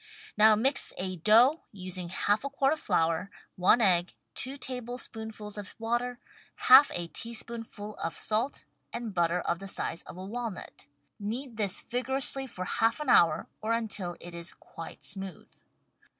Now mix a dough, using half a quart of flour, one egg, two tablespoonfuls of water, half a teaspoonful of WRITTEN FOR MEN BY MEN salt, and butter of the size of a walnut. Knead this vig orously for half an hour, or until it is quite smooth.